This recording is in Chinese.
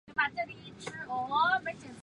布纹螺为布纹螺科布纹螺属下的一个种。